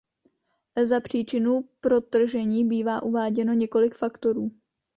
Za příčinu protržení bývá uváděno několik faktorů.